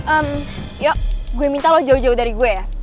ehm yuk gue minta loh jauh jauh dari gue ya